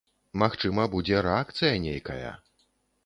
Магчыма, будзе рэакцыя нейкая.